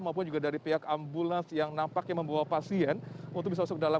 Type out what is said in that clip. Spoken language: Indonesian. maupun juga dari pihak ambulans yang nampaknya membawa pasien untuk bisa masuk ke dalam